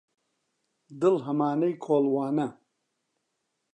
دڵ هەمانەی کۆڵوانە